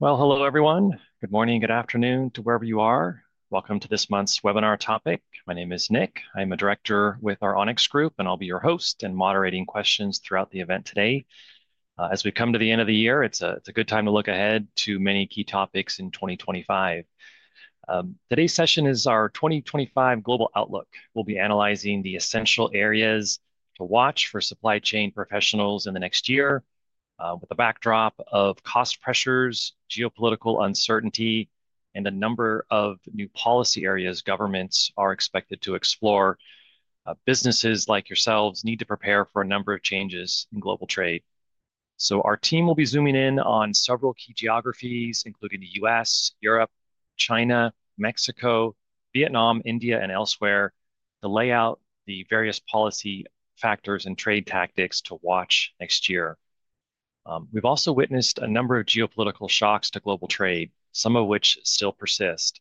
Hello, everyone. Good morning, good afternoon to wherever you are. Welcome to this month's webinar topic. My name is Nick. I'm a director with our Onyx Group, and I'll be your host and moderating questions throughout the event today. As we come to the end of the year, it's a good time to look ahead to many key topics in 2025. Today's session is our 2025 global outlook. We'll be analyzing the essential areas to watch for supply chain professionals in the next year, with the backdrop of cost pressures, geopolitical uncertainty, and a number of new policy areas governments are expected to explore. Businesses like yourselves need to prepare for a number of changes in global trade. So our team will be zooming in on several key geographies, including the U.S., Europe, China, Mexico, Vietnam, India, and elsewhere, to lay out the various policy factors and trade tactics to watch next year. We've also witnessed a number of geopolitical shocks to global trade, some of which still persist.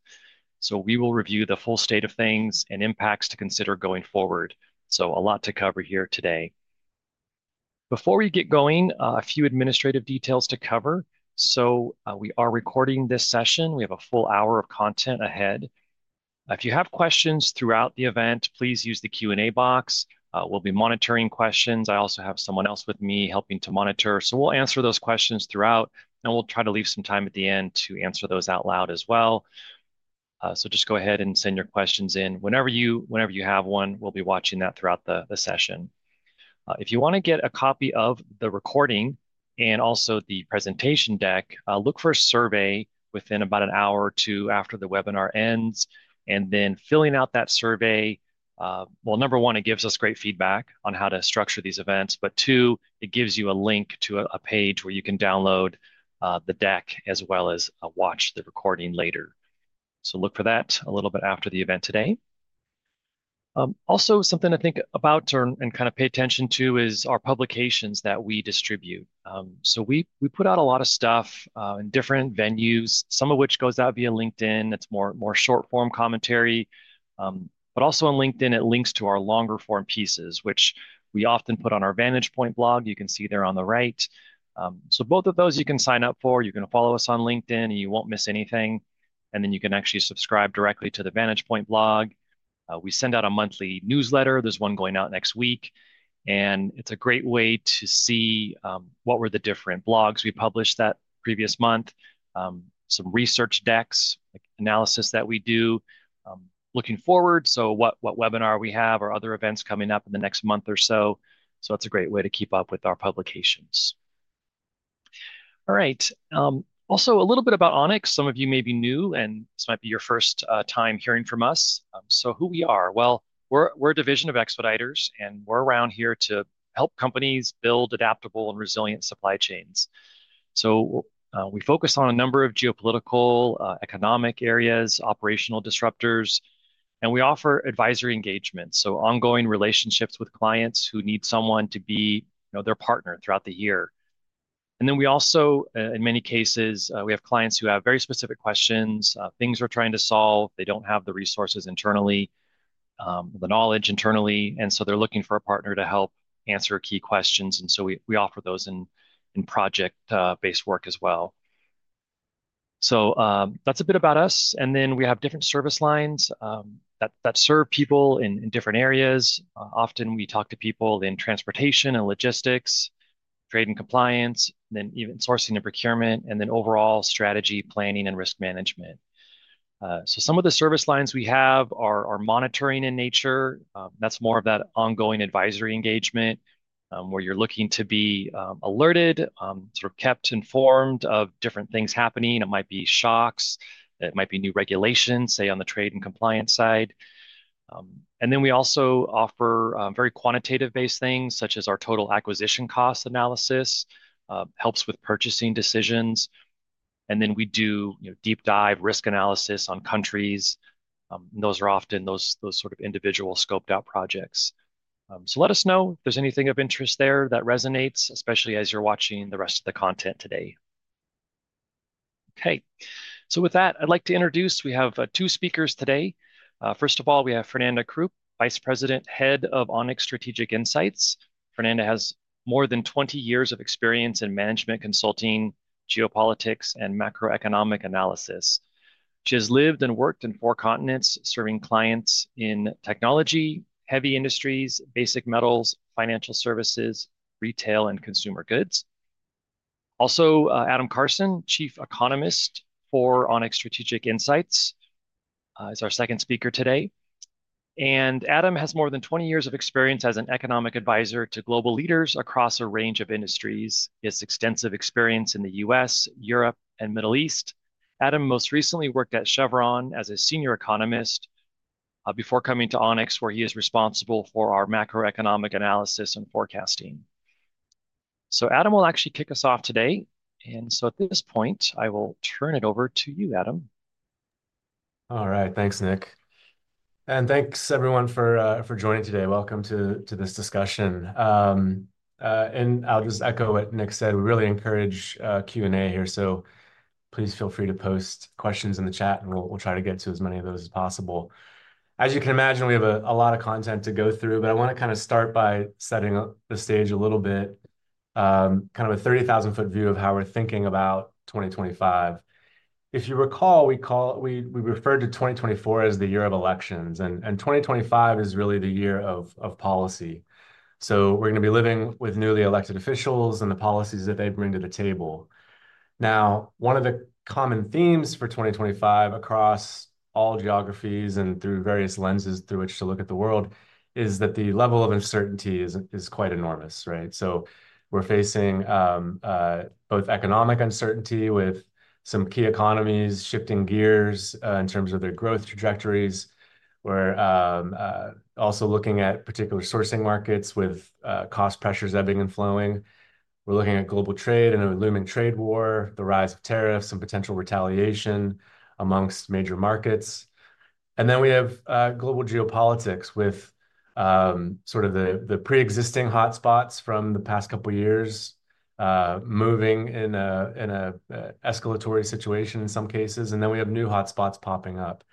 So we will review the full state of things and impacts to consider going forward. So a lot to cover here today. BEUe we get going, a few administrative details to cover. So we are recording this session. We have a full hour of content ahead. If you have questions throughout the event, please use the Q&A box. We'll be monitoring questions. I also have someone else with me helping to monitor. So we'll answer those questions throughout, and we'll try to leave some time at the end to answer those out loud as well. Just go ahead and send your questions in whenever you have one. We'll be watching that throughout the session. If you want to get a copy of the recording and also the presentation deck, look for a survey within about an hour or two after the webinar ends, and then filling out that survey, well, number one, it gives us great feedback on how to structure these events, but two, it gives you a link to a page where you can download the deck as well as watch the recording later. Look for that a little bit after the event today. Also, something to think about and kind of pay attention to is our publications that we distribute. We put out a lot of stuff in different venues, some of which goes out via LinkedIn. It's more short-form commentary. But also on LinkedIn, it links to our longer-form pieces, which we often put on our Vantage Point blog. You can see there on the right. So both of those you can sign up for. You can follow us on LinkedIn, and you won't miss anything. And then you can actually subscribe directly to the Vantage Point blog. We send out a monthly newsletter. There's one going out next week. And it's a great way to see what were the different blogs we published that previous month, some research decks, analysis that we do looking forward, so what webinar we have or other events coming up in the next month or so. So it's a great way to keep up with our publications. All right. Also, a little bit about Onyx. Some of you may be new, and this might be your first time hearing from us. So, who we are? Well, we're a division of Expeditors, and we're around here to help companies build adaptable and resilient supply chains. So, we focus on a number of geopolitical, economic areas, operational disruptors, and we offer advisory engagements, so ongoing relationships with clients who need someone to be their partner throughout the year. And then, we also, in many cases, we have clients who have very specific questions, things we're trying to solve. They don't have the resources internally, the knowledge internally, and so they're looking for a partner to help answer key questions. And so, we offer those in project-based work as well. So, that's a bit about us. And then, we have different service lines that serve people in different areas. Often, we talk to people in transportation and logistics, trade and compliance, then even sourcing and procurement, and then overall strategy, planning, and risk management. So some of the service lines we have are monitoring in nature. That's more of that ongoing advisory engagement where you're looking to be alerted, sort of kept informed of different things happening. It might be shocks. It might be new regulations, say, on the trade and compliance side. And then we also offer very quantitative-based things, such as our Total Acquisition Cost analysis helps with purchasing decisions. And then we do deep-dive risk analysis on countries. And those are often those sort of individual scoped-out projects. So let us know if there's anything of interest there that resonates, especially as you're watching the rest of the content today. Okay. So with that, I'd like to introduce we have two speakers today. First of all, we have Fernanda Kroup, Vice President, Head of Onyx Strategic Insights. Fernanda has more than 20 years of experience in management consulting, geopolitics, and macroeconomic analysis. She has lived and worked in four continents, serving clients in technology, heavy industries, basic metals, financial services, retail, and consumer goods. Also, Adam Karson, Chief Economist for Onyx Strategic Insights, is our second speaker today. And Adam has more than 20 years of experience as an economic advisor to global leaders across a range of industries. He has extensive experience in the U.S., Europe, and Middle East. Adam most recently worked at Chevron as a senior economist before coming to Onyx, where he is responsible for our macroeconomic analysis and forecasting. So Adam will actually kick us off today. And so at this point, I will turn it over to you, Adam. All right. Thanks, Nick. And thanks, everyone, for joining today. Welcome to this discussion. And I'll just echo what Nick said. We really encourage Q&A here. So please feel free to post questions in the chat, and we'll try to get to as many of those as possible. As you can imagine, we have a lot of content to go through, but I want to kind of start by setting the stage a little bit, kind of a 30,000-foot view of how we're thinking about 2025. If you recall, we referred to 2024 as the year of elections, and 2025 is really the year of policy. So we're going to be living with newly elected officials and the policies that they bring to the table. Now, one of the common themes for 2025 across all geographies and through various lenses through which to look at the world is that the level of uncertainty is quite enormous, right, so we're facing both economic uncertainty with some key economies shifting gears in terms of their growth trajectories, also looking at particular sourcing markets with cost pressures ebbing and flowing. We're looking at global trade and a looming trade war, the rise of tariffs, and potential retaliation amongst major markets, and then we have global geopolitics with sort of the pre-existing hotspots from the past couple of years moving in an escalatory situation in some cases, and then we have new hotspots popping up.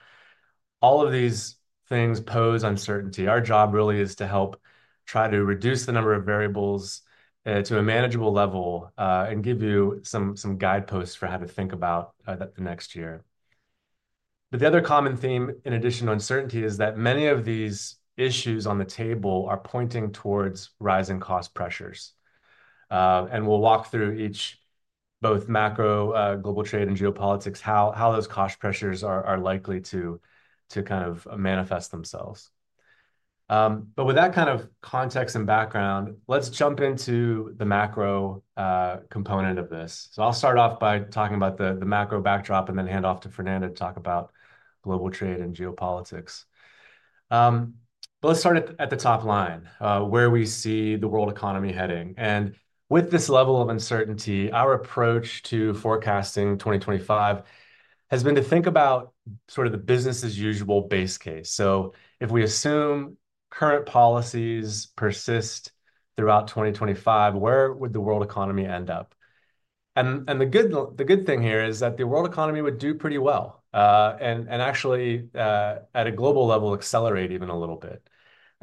All of these things pose uncertainty. Our job really is to help try to reduce the number of variables to a manageable level and give you some guideposts for how to think about the next year. But the other common theme, in addition to uncertainty, is that many of these issues on the table are pointing towards rising cost pressures. And we'll walk through each, both macro, global trade, and geopolitics, how those cost pressures are likely to kind of manifest themselves. But with that kind of context and background, let's jump into the macro component of this. So I'll start off by talking about the macro backdrop and then hand off to Fernanda to talk about global trade and geopolitics. But let's start at the top line, where we see the world economy heading. With this level of uncertainty, our approach to forecasting 2025 has been to think about sort of the business-as-usual base case. So if we assume current policies persist throughout 2025, where would the world economy end up? The good thing here is that the world economy would do pretty well and actually, at a global level, accelerate even a little bit.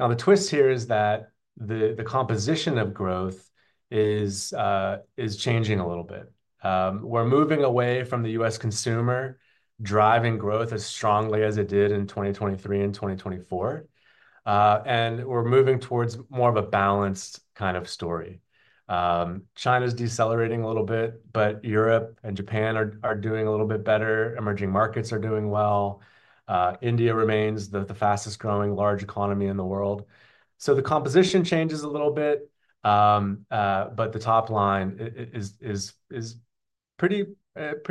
Now, the twist here is that the composition of growth is changing a little bit. We're moving away from the U.S. consumer driving growth as strongly as it did in 2023 and 2024. We're moving towards more of a balanced kind of story. China's decelerating a little bit, but Europe and Japan are doing a little bit better. Emerging markets are doing well. India remains the fastest-growing large economy in the world. So the composition changes a little bit, but the top line is pretty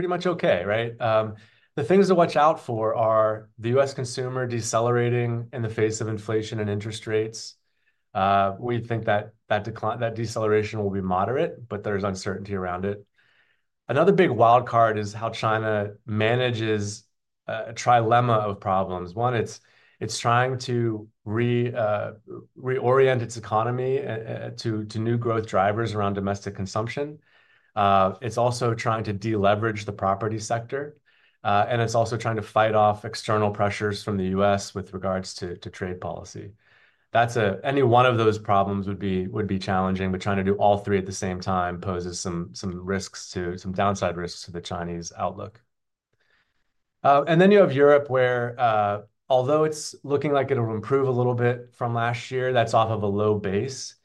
much okay, right? The things to watch out for are the U.S. consumer decelerating in the face of inflation and interest rates. We think that deceleration will be moderate, but there's uncertainty around it. Another big wildcard is how China manages a trilemma of problems. One, it's trying to reorient its economy to new growth drivers around domestic consumption. It's also trying to deleverage the property sector. And it's also trying to fight off external pressures from the U.S. with regards to trade policy. Any one of those problems would be challenging, but trying to do all three at the same time poses some risks, some downside risks to the Chinese outlook. And then you have Europe, where although it's looking like it'll improve a little bit from last year, that's off of a low base.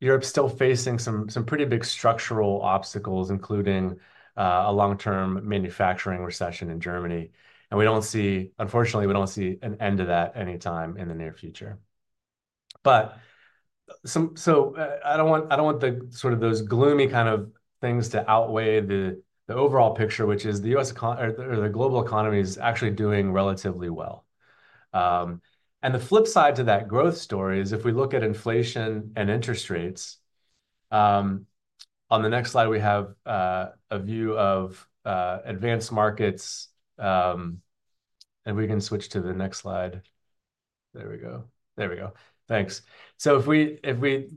Europe's still facing some pretty big structural obstacles, including a long-term manufacturing recession in Germany. Unfortunately, we don't see an end to that anytime in the near future. I don't want the sort of those gloomy kind of things to outweigh the overall picture, which is the global economy is actually doing relatively well. The flip side to that growth story is if we look at inflation and interest rates, on the next slide, we have a view of advanced markets. We can switch to the next slide. There we go. Thanks. If we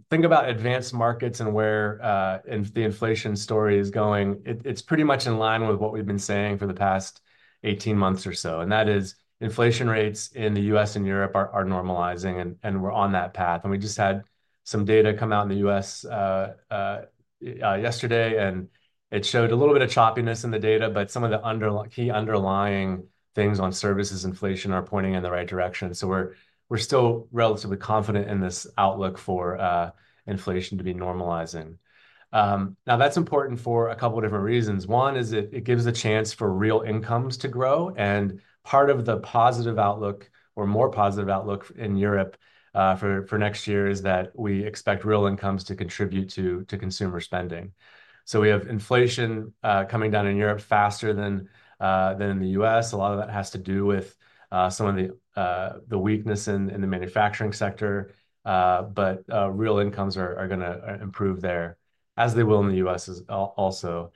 think about advanced markets and where the inflation story is going, it's pretty much in line with what we've been saying for the past 18 months or so. Inflation rates in the U.S. and Europe are normalizing, and we're on that path. We just had some data come out in the U.S. yesterday, and it showed a little bit of choppiness in the data, but some of the key underlying things on services inflation are pointing in the right direction. So we're still relatively confident in this outlook for inflation to be normalizing. Now, that's important for a couple of different reasons. One is it gives a chance for real incomes to grow. And part of the positive outlook, or more positive outlook in Europe for next year, is that we expect real incomes to contribute to consumer spending. So we have inflation coming down in Europe faster than in the U.S. A lot of that has to do with some of the weakness in the manufacturing sector. But real incomes are going to improve there as they will in the U.S. also.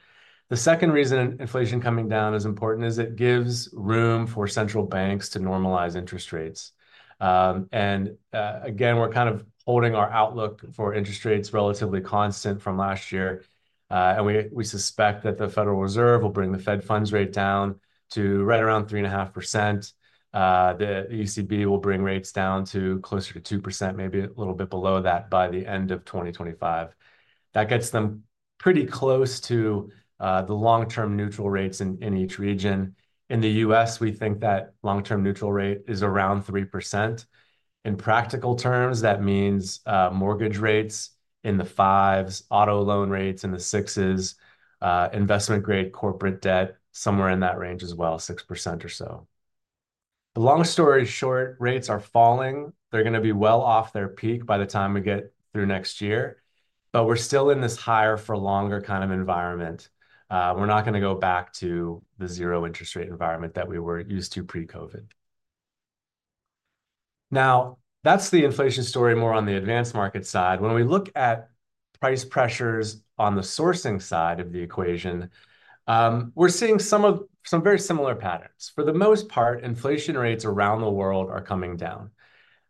The second reason inflation coming down is important is it gives room for central banks to normalize interest rates. And again, we're kind of holding our outlook for interest rates relatively constant from last year. And we suspect that the Federal Reserve will bring the Fed funds rate down to right around 3.5%. The ECB will bring rates down to closer to 2%, maybe a little bit below that by the end of 2025. That gets them pretty close to the long-term neutral rates in each region. In the U.S., we think that long-term neutral rate is around 3%. In practical terms, that means mortgage rates in the fives, auto loan rates in the sixes, investment-grade corporate debt somewhere in that range as well, 6% or so. The long story short, rates are falling. They're going to be well off their peak by the time we get through next year. But we're still in this higher-for-longer kind of environment. We're not going to go back to the zero-interest rate environment that we were used to pre-COVID. Now, that's the inflation story more on the advanced market side. When we look at price pressures on the sourcing side of the equation, we're seeing some very similar patterns. For the most part, inflation rates around the world are coming down.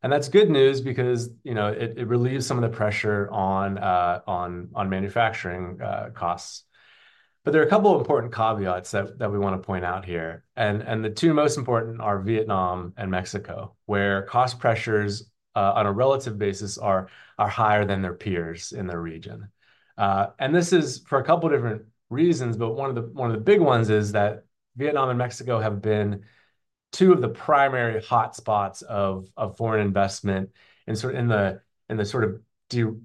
And that's good news because it relieves some of the pressure on manufacturing costs. But there are a couple of important caveats that we want to point out here. And the two most important are Vietnam and Mexico, where cost pressures on a relative basis are higher than their peers in their region. And this is for a couple of different reasons, but one of the big ones is that Vietnam and Mexico have been two of the primary hotspots of foreign investment. And sort of in the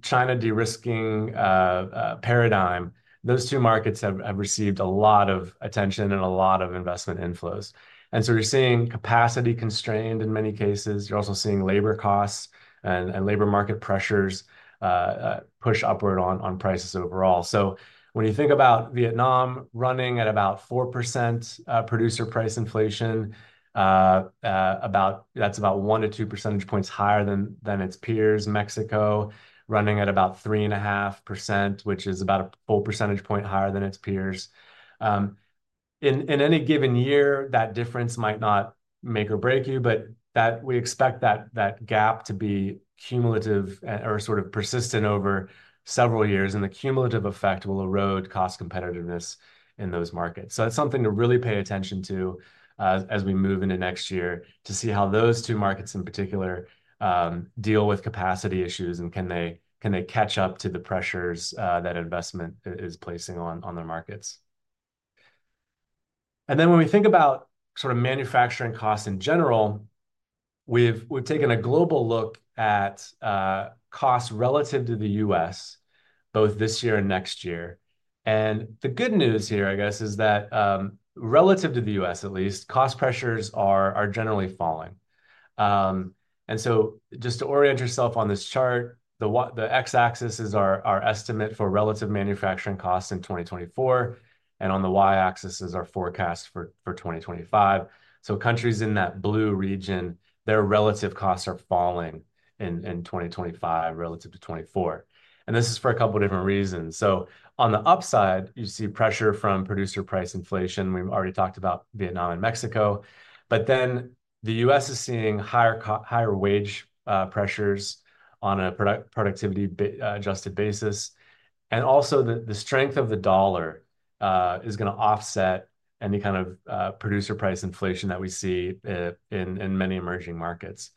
China de-risking paradigm, those two markets have received a lot of attention and a lot of investment inflows. And so you're seeing capacity constrained in many cases. You're also seeing labor costs and labor market pressures push upward on prices overall. So when you think about Vietnam running at about 4% producer price inflation, that's about one to two percentage points higher than its peers. Mexico running at about 3.5%, which is about a full percentage point higher than its peers. In any given year, that difference might not make or break you, but we expect that gap to be cumulative or sort of persistent over several years. The cumulative effect will erode cost competitiveness in those markets. That's something to really pay attention to as we move into next year to see how those two markets in particular deal with capacity issues and can they catch up to the pressures that investment is placing on their markets. Then when we think about sort of manufacturing costs in general, we've taken a global look at costs relative to the U.S., both this year and next year. The good news here, I guess, is that relative to the U.S., at least, cost pressures are generally falling. Just to orient yourself on this chart, the X-axis is our estimate for relative manufacturing costs in 2024. On the Y-axis is our forecast for 2025. Countries in that blue region, their relative costs are falling in 2025 relative to 2024. This is for a couple of different reasons. On the upside, you see pressure from producer price inflation. We've already talked about Vietnam and Mexico. Then the U.S. is seeing higher wage pressures on a productivity-adjusted basis. Also, the strength of the dollar is going to offset any kind of producer price inflation that we see in many emerging markets.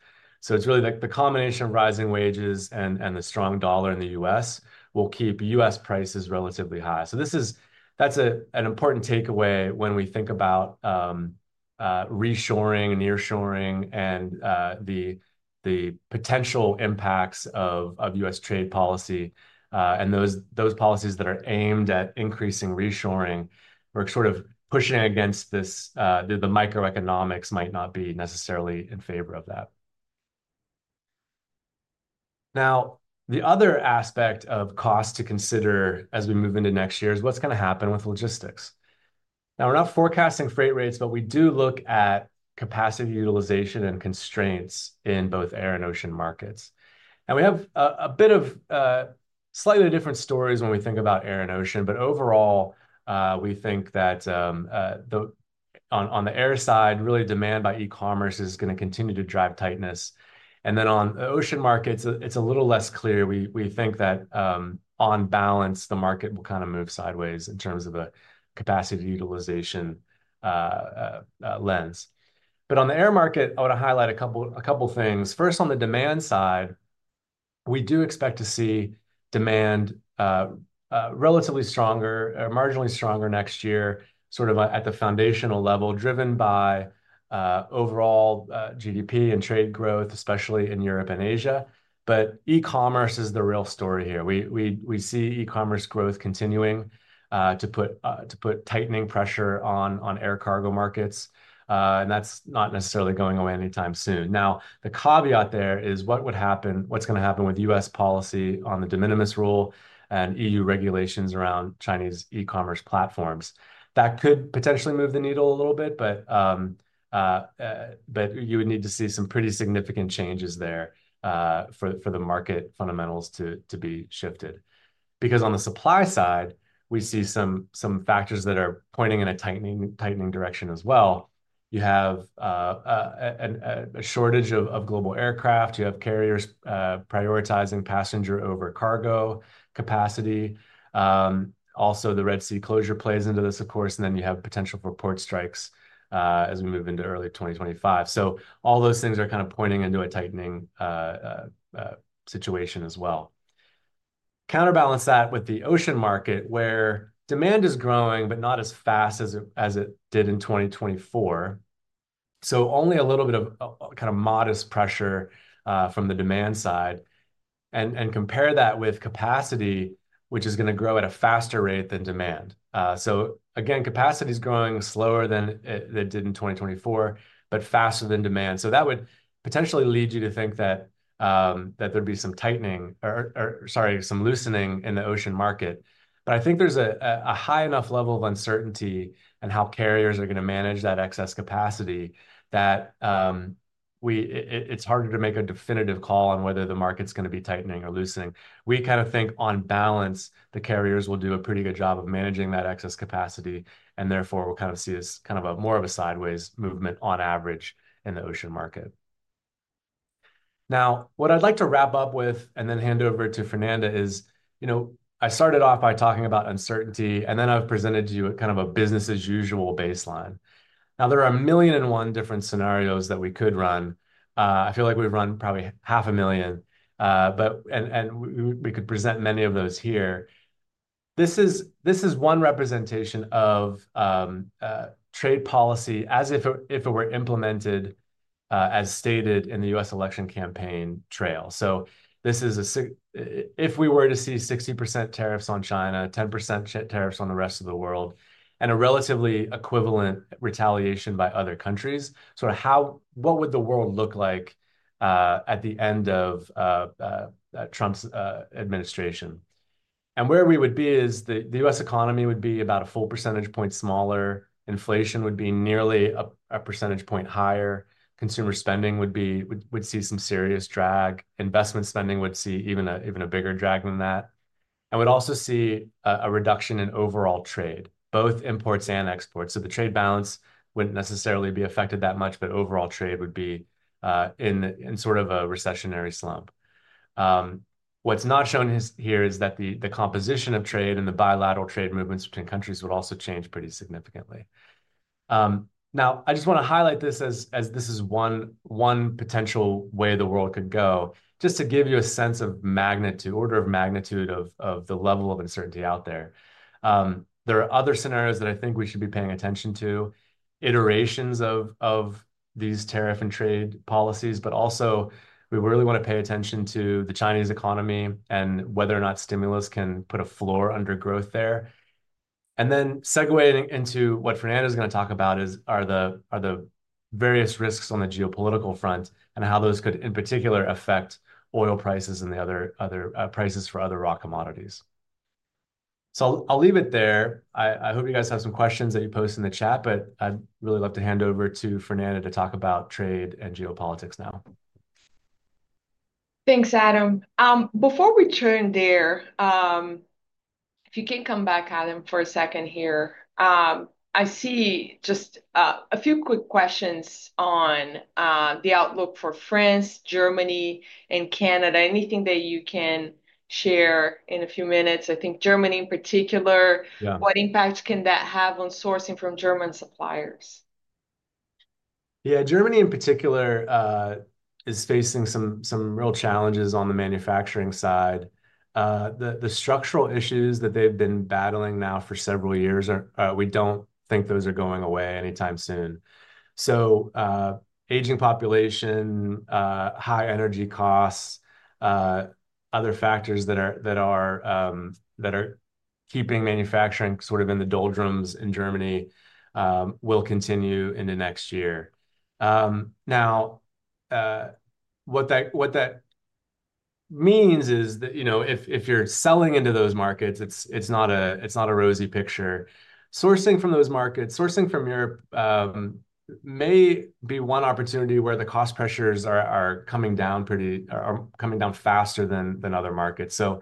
It's really the combination of rising wages and the strong dollar in the U.S. will keep U.S. prices relatively high. That's an important takeaway when we think about reshoring, nearshoring, and the potential impacts of U.S. trade policy. Those policies that are aimed at increasing reshoring are sort of pushing against this. The microeconomics might not be necessarily in favor of that. Now, the other aspect of cost to consider as we move into next year is what's going to happen with logistics. Now, we're not forecasting freight rates, but we do look at capacity utilization and constraints in both air and ocean markets. And we have a bit of slightly different stories when we think about air and ocean. But overall, we think that on the air side, really demand by e-commerce is going to continue to drive tightness. And then on the ocean markets, it's a little less clear. We think that on balance, the market will kind of move sideways in terms of a capacity utilization lens. But on the air market, I want to highlight a couple of things. First, on the demand side, we do expect to see demand relatively stronger, marginally stronger next year, sort of at the foundational level, driven by overall GDP and trade growth, especially in Europe and Asia. But e-commerce is the real story here. We see e-commerce growth continuing to put tightening pressure on air cargo markets, and that's not necessarily going away anytime soon. Now, the caveat there is what would happen, what's going to happen with U.S. policy on the de minimis rule and EU regulations around Chinese e-commerce platforms. That could potentially move the needle a little bit, but you would need to see some pretty significant changes there for the market fundamentals to be shifted. Because on the supply side, we see some factors that are pointing in a tightening direction as well. You have a shortage of global aircraft. You have carriers prioritizing passenger over cargo capacity. Also, the Red Sea closure plays into this, of course, and then you have potential for port strikes as we move into early 2025, so all those things are kind of pointing into a tightening situation as well. Counterbalance that with the ocean market, where demand is growing, but not as fast as it did in 2024. So only a little bit of kind of modest pressure from the demand side. And compare that with capacity, which is going to grow at a faster rate than demand. So again, capacity is growing slower than it did in 2024, but faster than demand. So that would potentially lead you to think that there'd be some tightening, or sorry, some loosening in the ocean market. But I think there's a high enough level of uncertainty in how carriers are going to manage that excess capacity that it's harder to make a definitive call on whether the market's going to be tightening or loosening. We kind of think on balance, the carriers will do a pretty good job of managing that excess capacity. And therefore, we'll kind of see this kind of more of a sideways movement on average in the ocean market. Now, what I'd like to wrap up with and then hand over to Fernanda is I started off by talking about uncertainty, and then I've presented to you kind of a business-as-usual baseline. Now, there are a million and one different scenarios that we could run. I feel like we've run probably half a million. And we could present many of those here. This is one representation of trade policy as if it were implemented as stated in the U.S. election campaign trail. So if we were to see 60% tariffs on China, 10% tariffs on the rest of the world, and a relatively equivalent retaliation by other countries, sort of what would the world look like at the end of Trump's administration? Where we would be is the U.S. economy would be about a full percentage point smaller. Inflation would be nearly a percentage point higher. Consumer spending would see some serious drag. Investment spending would see even a bigger drag than that. I would also see a reduction in overall trade, both imports and exports. So the trade balance wouldn't necessarily be affected that much, but overall trade would be in sort of a recessionary slump. What's not shown here is that the composition of trade and the bilateral trade movements between countries would also change pretty significantly. Now, I just want to highlight this as this is one potential way the world could go, just to give you a sense of magnitude, order of magnitude of the level of uncertainty out there. There are other scenarios that I think we should be paying attention to, iterations of these tariff and trade policies, but also we really want to pay attention to the Chinese economy and whether or not stimulus can put a floor under growth there, and then segueing into what Fernanda is going to talk about are the various risks on the geopolitical front and how those could in particular affect oil prices and the other prices for other raw commodities, so I'll leave it there. I hope you guys have some questions that you post in the chat, but I'd really love to hand over to Fernanda to talk about trade and geopolitics now. Thanks, Adam. Before we turn there, if you can come back, Adam, for a second here, I see just a few quick questions on the outlook for France, Germany, and Canada. Anything that you can share in a few minutes? I think Germany in particular, what impact can that have on sourcing from German suppliers? Yeah, Germany in particular is facing some real challenges on the manufacturing side. The structural issues that they've been battling now for several years, we don't think those are going away anytime soon. So aging population, high energy costs, other factors that are keeping manufacturing sort of in the doldrums in Germany will continue into next year. Now, what that means is that if you're selling into those markets, it's not a rosy picture. Sourcing from those markets, sourcing from Europe may be one opportunity where the cost pressures are coming down faster than other markets. So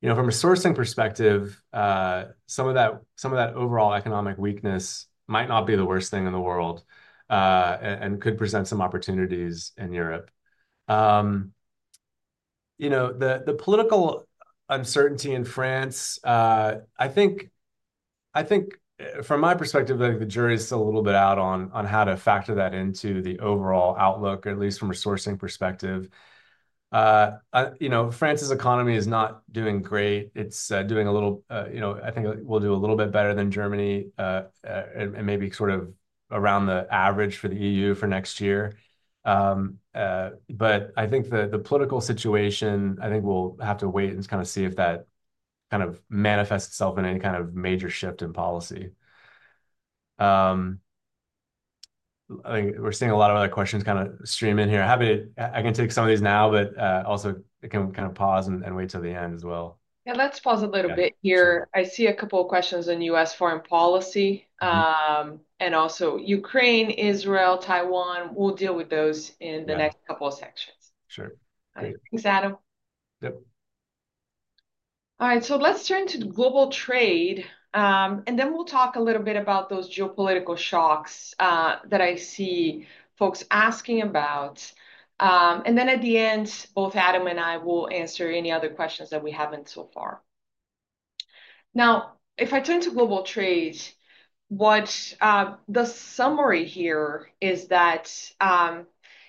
from a sourcing perspective, some of that overall economic weakness might not be the worst thing in the world and could present some opportunities in Europe. The political uncertainty in France, I think from my perspective, the jury is still a little bit out on how to factor that into the overall outlook, at least from a sourcing perspective. France's economy is not doing great. It's doing a little, I think it will do a little bit better than Germany and maybe sort of around the average for the EU for next year. But I think the political situation, I think we'll have to wait and kind of see if that kind of manifests itself in any kind of major shift in policy. We're seeing a lot of other questions kind of stream in here. I can take some of these now, but also can kind of pause and wait till the end as well. Yeah, let's pause a little bit here. I see a couple of questions on U.S. foreign policy and also Ukraine, Israel, Taiwan. We'll deal with those in the next couple of sections. Sure. Great. Thanks, Adam. Yep. All right. So let's turn to global trade. And then we'll talk a little bit about those geopolitical shocks that I see folks asking about. And then at the end, both Adam and I will answer any other questions that we haven't so far. Now, if I turn to global trade, the summary here is that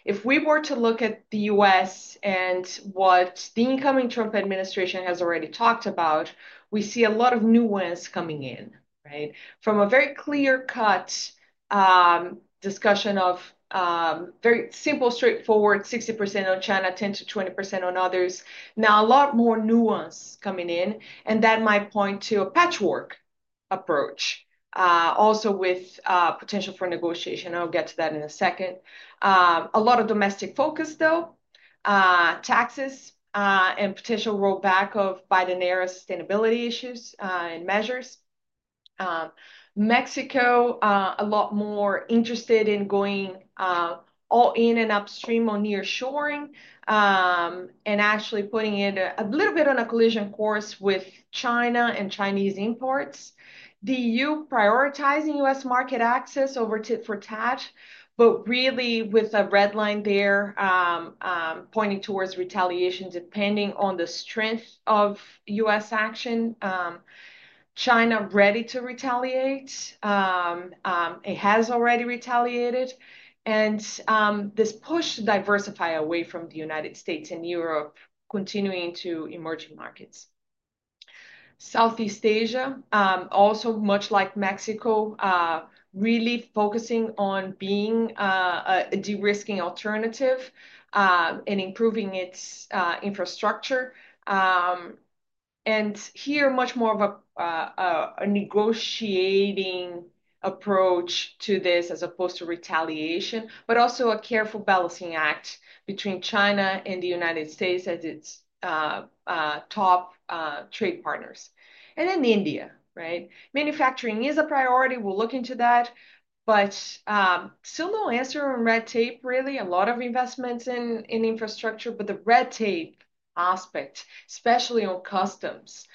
if we were to look at the U.S. and what the incoming Trump administration has already talked about, we see a lot of nuance coming in, right? From a very clear-cut discussion of very simple, straightforward 60% on China, 10%-20% on others. Now, a lot more nuance coming in. And that might point to a patchwork approach, also with potential for negotiation. I'll get to that in a second. A lot of domestic focus, though, on taxes and potential rollback of Biden-era sustainability issues and measures. Mexico, a lot more interested in going all in and upstream on nearshoring and actually putting it a little bit on a collision course with China and Chinese imports. The EU prioritizing U.S. market access over that, but really with a red line there pointing towards retaliation depending on the strength of U.S. action. China ready to retaliate. It has already retaliated. And this push to diversify away from the United States and Europe continuing to emerging markets. Southeast Asia, also much like Mexico, really focusing on being a de-risking alternative and improving its infrastructure. And here, much more of a negotiating approach to this as opposed to retaliation, but also a careful balancing act between China and the United States as its top trade partners. And then India, right? Manufacturing is a priority. We'll look into that. But still no answer on red tape, really. A lot of investments in infrastructure, but the red tape aspect, especially on customs,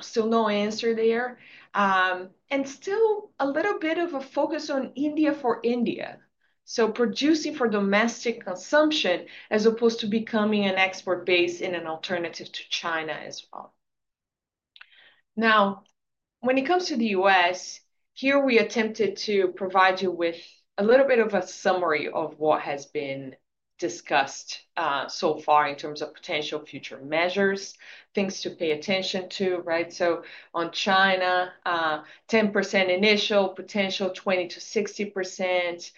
still no answer there. And still a little bit of a focus on India for India. So producing for domestic consumption as opposed to becoming an export base in an alternative to China as well. Now, when it comes to the U.S., here we attempted to provide you with a little bit of a summary of what has been discussed so far in terms of potential future measures, things to pay attention to, right? So on China, 10% initial, potential 20%-60%,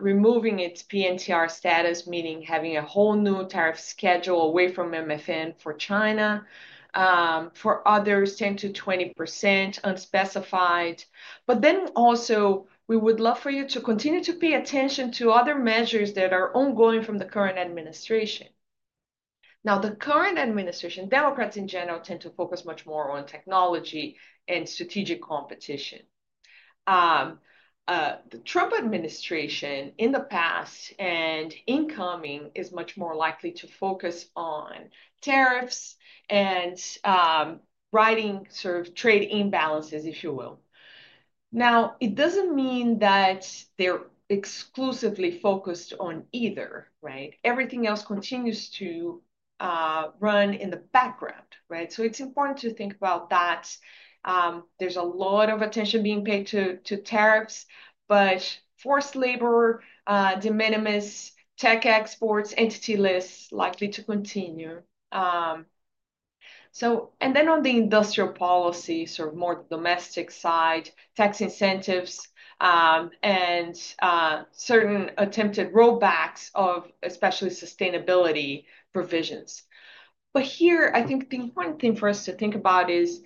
removing its PNTR status, meaning having a whole new tariff schedule away from MFN for China. For others, 10%-20% unspecified. But then also, we would love for you to continue to pay attention to other measures that are ongoing from the current administration. Now, the current administration, Democrats in general tend to focus much more on technology and strategic competition. The Trump administration in the past and incoming is much more likely to focus on tariffs and righting sort of trade imbalances, if you will. Now, it doesn't mean that they're exclusively focused on either, right? Everything else continues to run in the background, right? So it's important to think about that. There's a lot of attention being paid to tariffs, but forced labor, de minimis, tech exports, entity lists likely to continue. And then on the industrial policy, sort of more domestic side, tax incentives and certain attempted rollbacks of especially sustainability provisions. But here, I think the important thing for us to think about is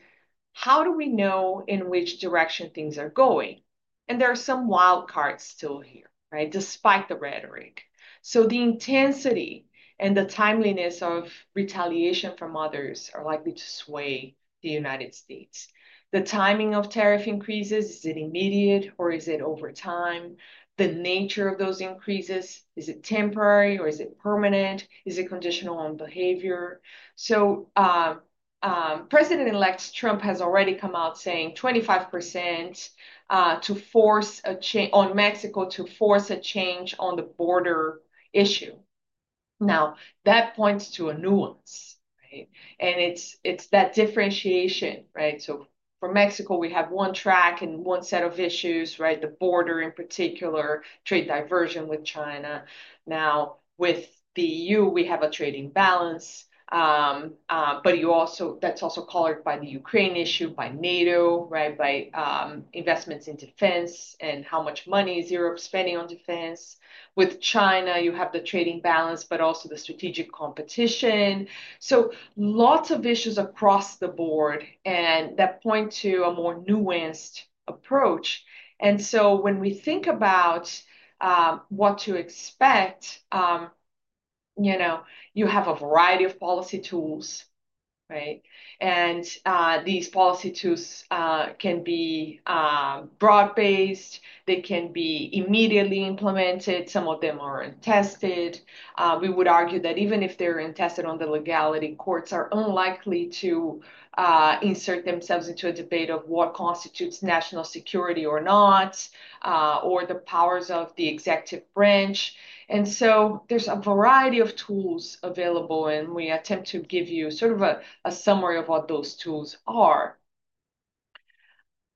how do we know in which direction things are going? And there are some wild cards still here, right, despite the rhetoric. So the intensity and the timeliness of retaliation from others are likely to sway the United States. The timing of tariff increases, is it immediate or is it over time? The nature of those increases, is it temporary or is it permanent? Is it conditional on behavior? So President-elect Trump has already come out saying 25% on Mexico to force a change on the border issue. Now, that points to a nuance, right? And it's that differentiation, right? So for Mexico, we have one track and one set of issues, right? The border in particular, trade diversion with China. Now, with the EU, we have a trading balance. But that's also colored by the Ukraine issue, by NATO, right? By investments in defense and how much money is Europe spending on defense. With China, you have the trading balance, but also the strategic competition. So lots of issues across the board and that point to a more nuanced approach. And so when we think about what to expect, you have a variety of policy tools, right? And these policy tools can be broad-based. They can be immediately implemented. Some of them are untested. We would argue that even if they're untested on the legality, courts are unlikely to insert themselves into a debate of what constitutes national security or not or the powers of the executive branch. And so there's a variety of tools available, and we attempt to give you sort of a summary of what those tools are.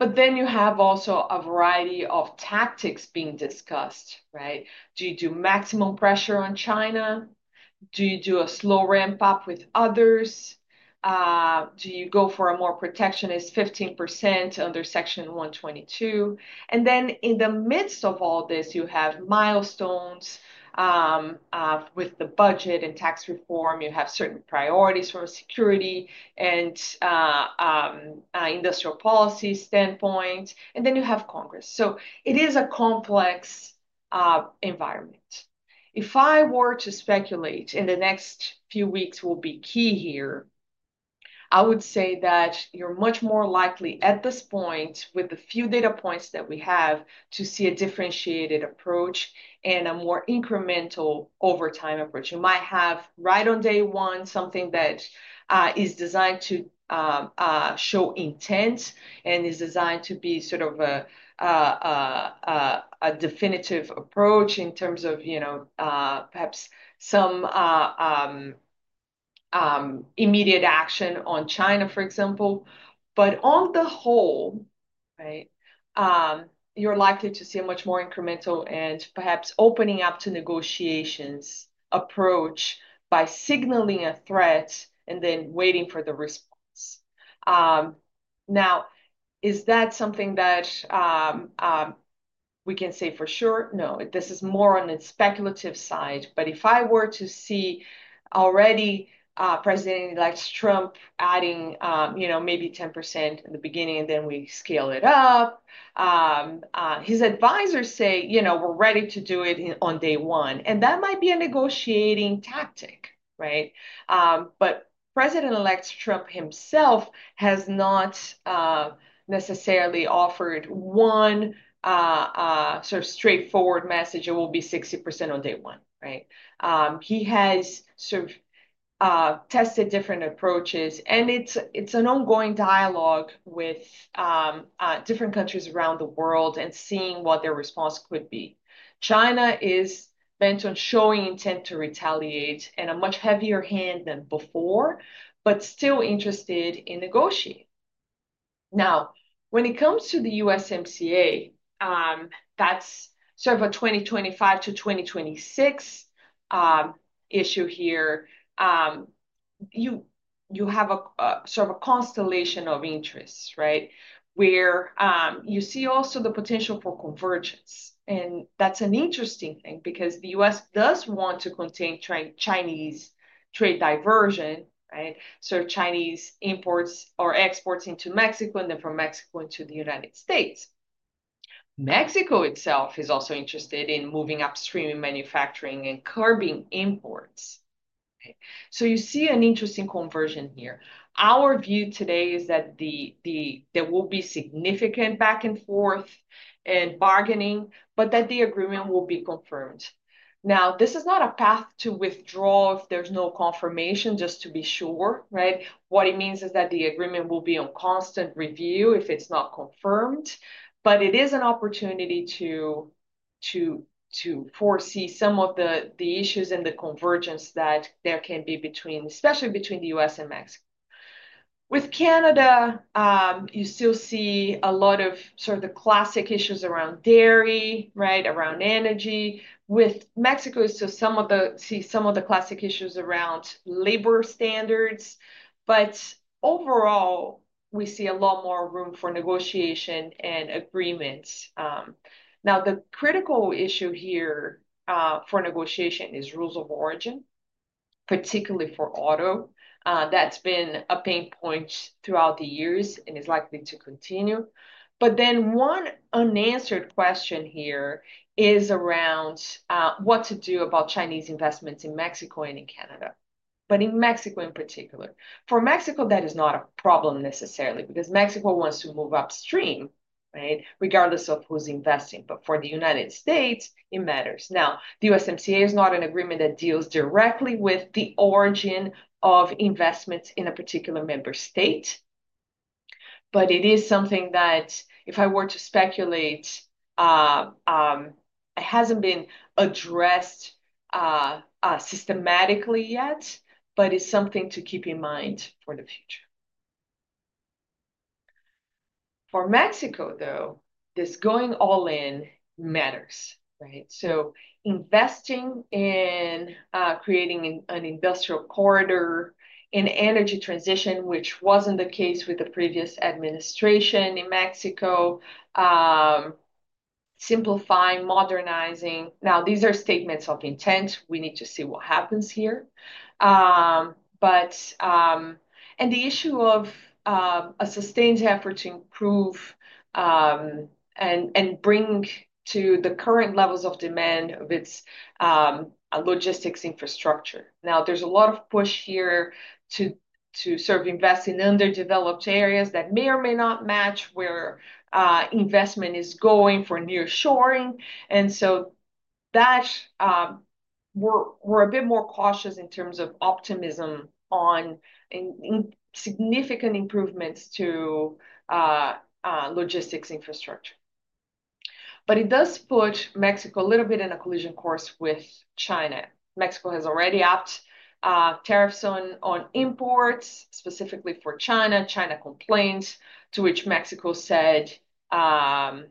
But then you have also a variety of tactics being discussed, right? Do you do maximum pressure on China? Do you do a slow ramp-up with others? Do you go for a more protectionist 15% under Section 122? and then in the midst of all this, you have milestones with the budget and tax reform, you have certain priorities from a security and industrial policy standpoint, and then you have Congress, so it is a complex environment. If I were to speculate in the next few weeks, will be key here, I would say that you're much more likely at this point, with the few data points that we have, to see a differentiated approach and a more incremental over time approach. You might have right on day one, something that is designed to show intent and is designed to be sort of a definitive approach in terms of perhaps some immediate action on China, for example. But on the whole, right, you're likely to see a much more incremental and perhaps opening up to negotiations approach by signaling a threat and then waiting for the response. Now, is that something that we can say for sure? No. This is more on the speculative side. But if I were to see already President-elect Trump adding maybe 10% in the beginning, and then we scale it up, his advisors say, "We're ready to do it on day one." And that might be a negotiating tactic, right? But President-elect Trump himself has not necessarily offered one sort of straightforward message: it will be 60% on day one, right? He has sort of tested different approaches, and it's an ongoing dialogue with different countries around the world and seeing what their response could be. China is bent on showing intent to retaliate and a much heavier hand than before, but still interested in negotiating. Now, when it comes to the USMCA, that's sort of a 2025 to 2026 issue here. You have sort of a constellation of interests, right, where you see also the potential for convergence, and that's an interesting thing because the U.S. does want to contain Chinese trade diversion, right, so Chinese imports or exports into Mexico and then from Mexico into the United States. Mexico itself is also interested in moving upstream in manufacturing and curbing imports, so you see an interesting convergence here. Our view today is that there will be significant back and forth and bargaining, but that the agreement will be confirmed. Now, this is not a path to withdraw if there's no confirmation, just to be sure, right? What it means is that the agreement will be on constant review if it's not confirmed. But it is an opportunity to foresee some of the issues and the convergence that there can be between, especially between the U.S. and Mexico. With Canada, you still see a lot of sort of the classic issues around dairy, right, around energy. With Mexico, you still see some of the classic issues around labor standards. But overall, we see a lot more room for negotiation and agreements. Now, the critical issue here for negotiation is rules of origin, particularly for auto. That's been a pain point throughout the years and is likely to continue. But then one unanswered question here is around what to do about Chinese investments in Mexico and in Canada, but in Mexico in particular. For Mexico, that is not a problem necessarily because Mexico wants to move upstream, right, regardless of who's investing. But for the United States, it matters. Now, the USMCA is not an agreement that deals directly with the origin of investments in a particular member state. But it is something that, if I were to speculate, it hasn't been addressed systematically yet, but it's something to keep in mind for the future. For Mexico, though, this going all in matters, right? So investing in creating an industrial corridor, an energy transition, which wasn't the case with the previous administration in Mexico, simplifying, modernizing. Now, these are statements of intent. We need to see what happens here. The issue of a sustained effort to improve and bring to the current levels of demand of its logistics infrastructure. Now, there's a lot of push here to sort of invest in underdeveloped areas that may or may not match where investment is going for nearshoring. And so we're a bit more cautious in terms of optimism on significant improvements to logistics infrastructure. But it does put Mexico a little bit in a collision course with China. Mexico has already upped tariffs on imports specifically for China. China complained, to which Mexico said, "It's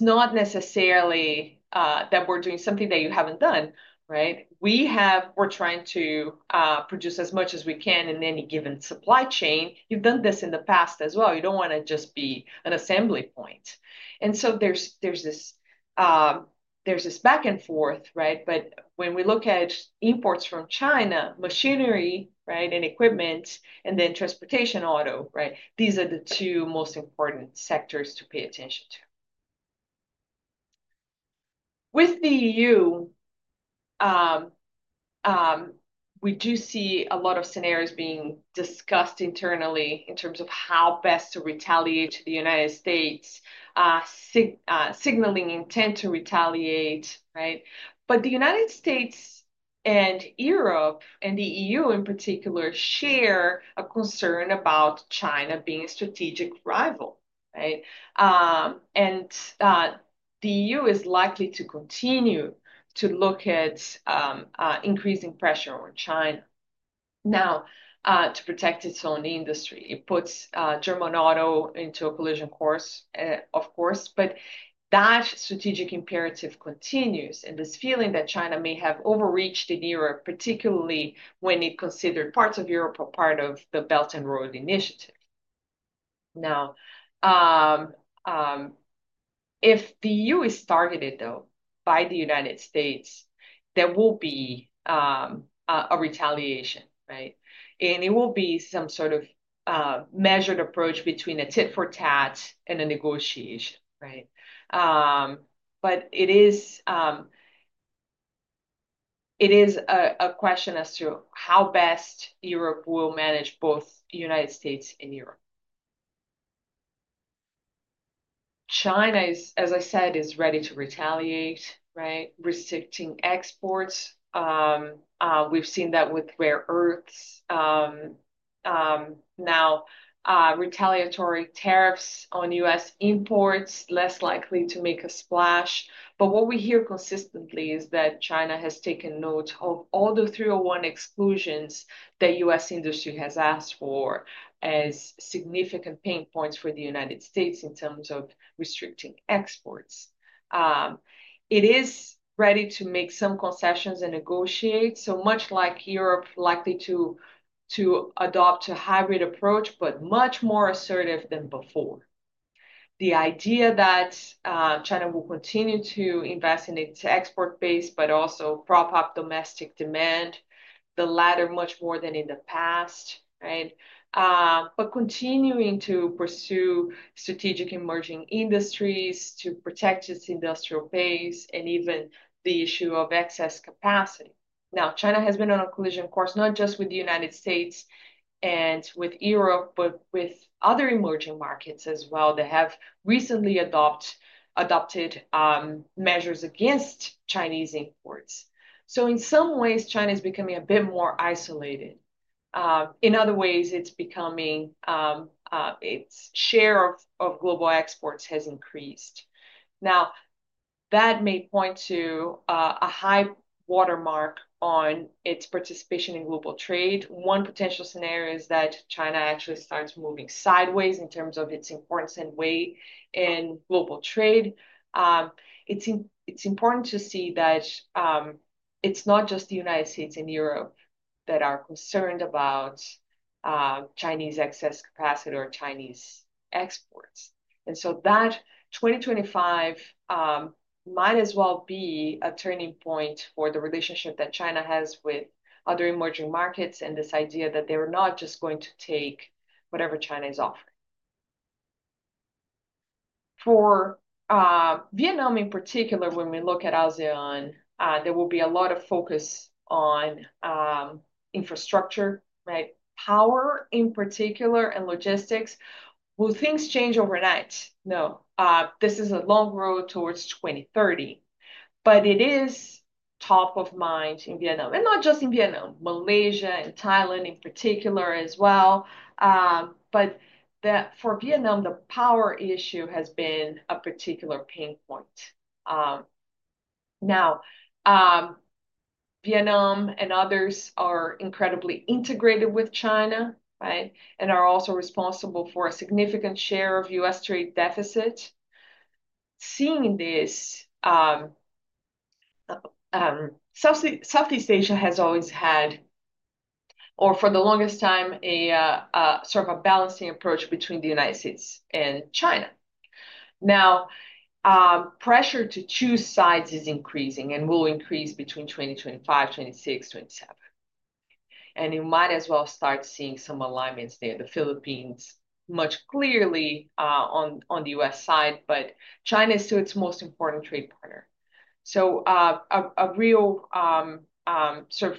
not necessarily that we're doing something that you haven't done, right? We're trying to produce as much as we can in any given supply chain. You've done this in the past as well. You don't want to just be an assembly point." And so there's this back and forth, right? But when we look at imports from China, machinery, right, and equipment, and then transportation, auto, right, these are the two most important sectors to pay attention to. With the EU, we do see a lot of scenarios being discussed internally in terms of how best to retaliate to the United States, signaling intent to retaliate, right? But the United States and Europe and the EU in particular share a concern about China being a strategic rival, right? And the EU is likely to continue to look at increasing pressure on China now to protect its own industry. It puts German auto into a collision course, of course, but that strategic imperative continues. And this feeling that China may have overreached in Europe, particularly when it considered parts of Europe or part of the Belt and Road Initiative. Now, if the EU is targeted, though, by the United States, there will be a retaliation, right? And it will be some sort of measured approach between a tit for tat and a negotiation, right? But it is a question as to how best Europe will manage both the United States and Europe. China, as I said, is ready to retaliate, right? Restricting exports. We've seen that with rare earths. Now, retaliatory tariffs on U.S. imports are less likely to make a splash. But what we hear consistently is that China has taken note of all the 301 exclusions that U.S. industry has asked for as significant pain points for the United States in terms of restricting exports. It is ready to make some concessions and negotiate, so much like Europe likely to adopt a hybrid approach, but much more assertive than before. The idea that China will continue to invest in its export base but also prop up domestic demand, the latter much more than in the past, right? But continuing to pursue strategic emerging industries to protect its industrial base and even the issue of excess capacity. Now, China has been on a collision course, not just with the United States and with Europe, but with other emerging markets as well that have recently adopted measures against Chinese imports. So in some ways, China is becoming a bit more isolated. In other ways, it's becoming its share of global exports has increased. Now, that may point to a high watermark on its participation in global trade. One potential scenario is that China actually starts moving sideways in terms of its importance and weight in global trade. It's important to see that it's not just the United States and Europe that are concerned about Chinese excess capacity or Chinese exports, and so 2025 might as well be a turning point for the relationship that China has with other emerging markets and this idea that they're not just going to take whatever China is offering. For Vietnam in particular, when we look at ASEAN, there will be a lot of focus on infrastructure, right? Power in particular and logistics. Will things change overnight? No. This is a long road towards 2030, but it is top of mind in Vietnam, and not just in Vietnam. Malaysia and Thailand in particular as well, but for Vietnam, the power issue has been a particular pain point. Now, Vietnam and others are incredibly integrated with China, right, and are also responsible for a significant share of U.S. trade deficit. Seeing this, Southeast Asia has always had, or for the longest time, a sort of a balancing approach between the United States and China. Now, pressure to choose sides is increasing and will increase between 2025, 2026, 2027, and you might as well start seeing some alignments there. The Philippines much more clearly on the U.S. side, but China is still its most important trade partner, so a real sort of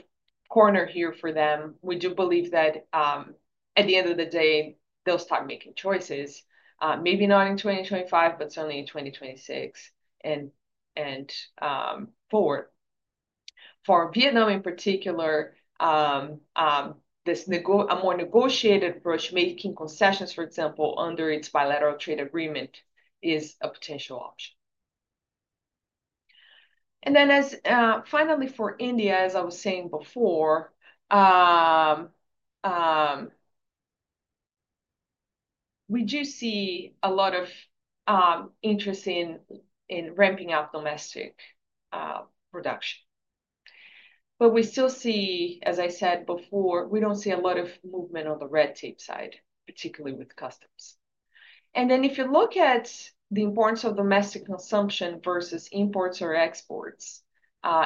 corner here for them. We do believe that at the end of the day, they'll start making choices, maybe not in 2025, but certainly in 2026 and forward. For Vietnam in particular, this more negotiated approach, making concessions, for example, under its bilateral trade agreement, is a potential option, and then finally for India, as I was saying before, we do see a lot of interest in ramping up domestic production. We still see, as I said before, we don't see a lot of movement on the red tape side, particularly with customs. Then if you look at the importance of domestic consumption versus imports or exports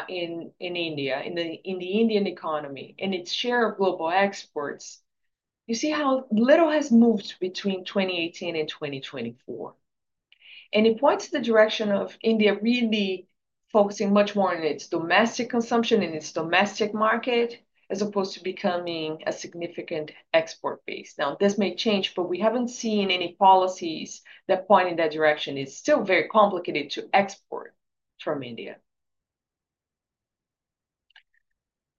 in India, in the Indian economy and its share of global exports, you see how little has moved between 2018 and 2024. It points in the direction of India really focusing much more on its domestic consumption and its domestic market as opposed to becoming a significant export base. Now, this may change, but we haven't seen any policies that point in that direction. It's still very complicated to export from India.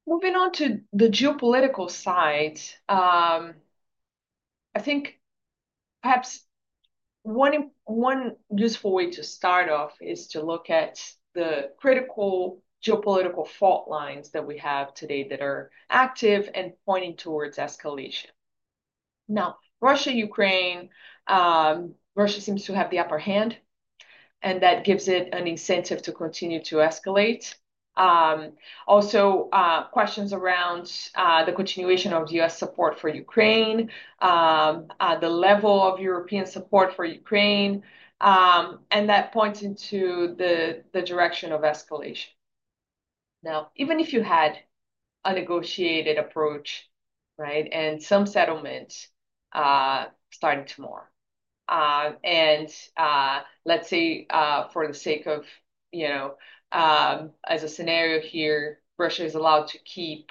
Moving on to the geopolitical side, I think perhaps one useful way to start off is to look at the critical geopolitical fault lines that we have today that are active and pointing towards escalation. Now, Russia-Ukraine, Russia seems to have the upper hand, and that gives it an incentive to continue to escalate. Also, questions around the continuation of U.S. support for Ukraine, the level of European support for Ukraine, and that points into the direction of escalation. Now, even if you had a negotiated approach, right, and some settlement starting tomorrow, and let's say for the sake of, as a scenario here, Russia is allowed to keep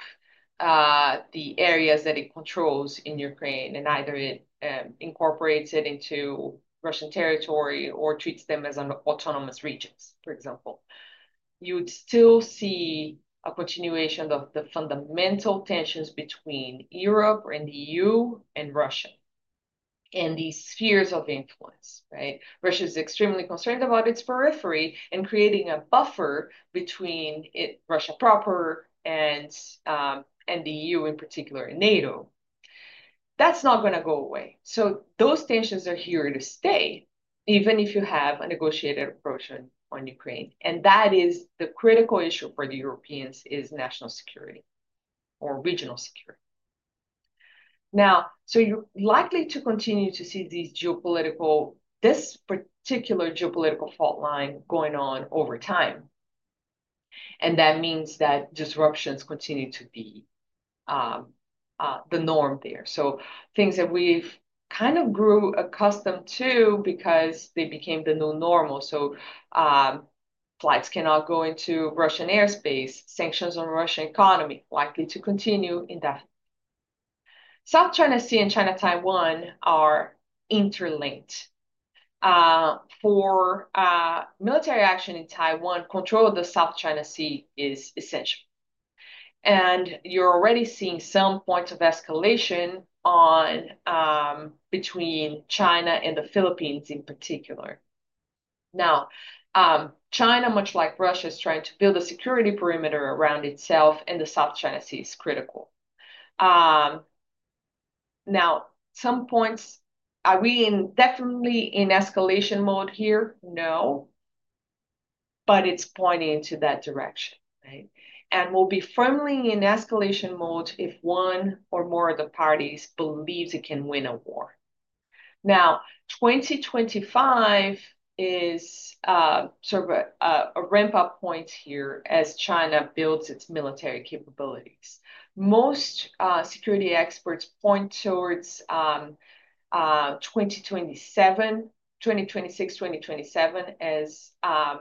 the areas that it controls in Ukraine and either incorporates it into Russian territory or treats them as autonomous regions, for example, you would still see a continuation of the fundamental tensions between Europe and the EU and Russia and these spheres of influence, right? Russia is extremely concerned about its periphery and creating a buffer between Russia proper and the EU in particular, NATO. That's not going to go away. Those tensions are here to stay, even if you have a negotiated approach on Ukraine. That is the critical issue for the Europeans: national security or regional security. You are likely to continue to see these geopolitical, this particular geopolitical fault line going on over time. That means that disruptions continue to be the norm there. Things that we've kind of grown accustomed to became the new normal. Flights cannot go into Russian airspace. Sanctions on the Russian economy likely continue indefinitely. The South China Sea and China-Taiwan are interlinked. For military action in Taiwan, control of the South China Sea is essential. You are already seeing some points of escalation between China and the Philippines in particular. China, much like Russia, is trying to build a security perimeter around itself, and the South China Sea is critical. Now, some points, are we definitely in escalation mode here? No. But it's pointing into that direction, right? And we'll be firmly in escalation mode if one or more of the parties believes it can win a war. Now, 2025 is sort of a ramp-up point here as China builds its military capabilities. Most security experts point towards 2026, 2027 as a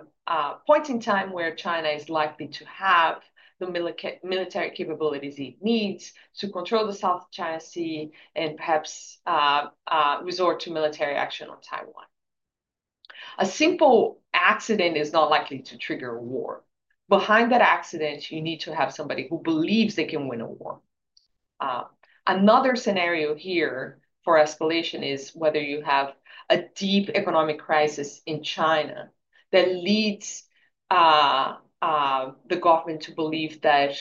point in time where China is likely to have the military capabilities it needs to control the South China Sea and perhaps resort to military action on Taiwan. A simple accident is not likely to trigger a war. Behind that accident, you need to have somebody who believes they can win a war. Another scenario here for escalation is whether you have a deep economic crisis in China that leads the government to believe that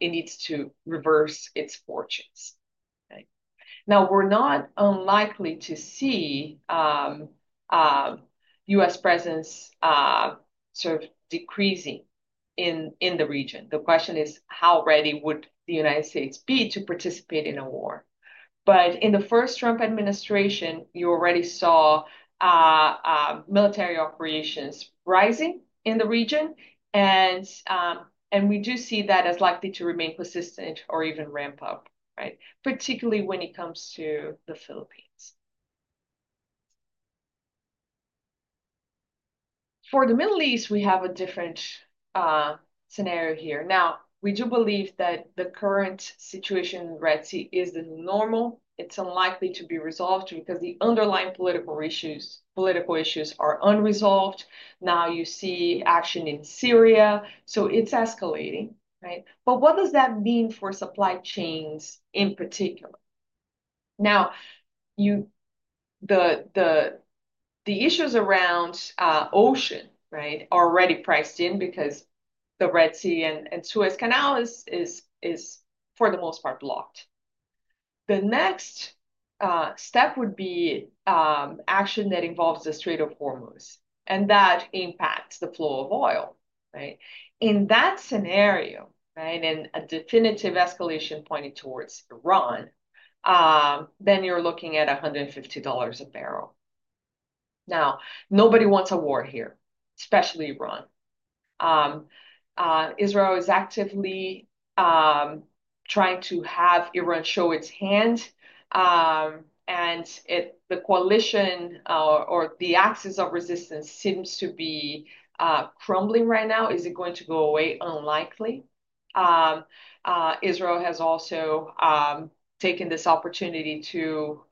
it needs to reverse its fortunes, right? Now, we're not unlikely to see U.S. presence sort of decreasing in the region. The question is, how ready would the United States be to participate in a war, but in the first Trump administration, you already saw military operations rising in the region, and we do see that as likely to remain persistent or even ramp up, right? Particularly when it comes to the Philippines. For the Middle East, we have a different scenario here. Now, we do believe that the current situation in the Red Sea is the normal. It's unlikely to be resolved because the underlying political issues are unresolved. Now, you see action in Syria, so it's escalating, right, but what does that mean for supply chains in particular? Now, the issues around the ocean, right, are already priced in because the Red Sea and Suez Canal is, for the most part, blocked. The next step would be action that involves the Strait of Hormuz, and that impacts the flow of oil, right? In that scenario, right, and a definitive escalation pointed towards Iran, then you're looking at $150 a barrel. Now, nobody wants a war here, especially Iran. Israel is actively trying to have Iran show its hand. And the coalition or the Axis of Resistance seems to be crumbling right now. Is it going to go away? Unlikely. Israel has also taken this opportunity to